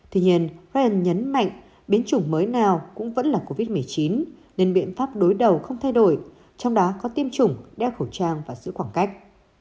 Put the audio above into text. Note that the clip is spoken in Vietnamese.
tuy nhiên frean nhấn mạnh biến chủng mới nào cũng vẫn là covid một mươi chín nên biện pháp đối đầu không thay đổi trong đó có tiêm chủng đeo khẩu trang và giữ khoảng cách